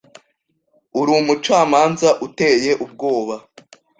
Urumucamanza uteye ubwoba.